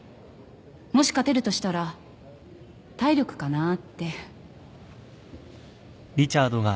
もし勝てるとしたら体力かなぁって。